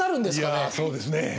いやそうですね。